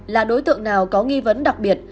là đối tượng nào có nghi vấn đặc biệt